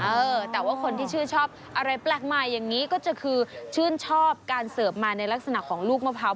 เออแต่ว่าคนที่ชื่นชอบอะไรแปลกใหม่อย่างนี้ก็จะคือชื่นชอบการเสิร์ฟมาในลักษณะของลูกมะพร้าว